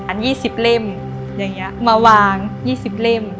๒๐เล่มอย่างนี้มาวาง๒๐เล่ม